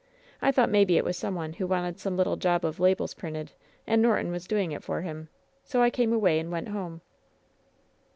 I thought maybe it was some one who wanted some little job of labels printed and Norton was doing it for him. So I came away and went home."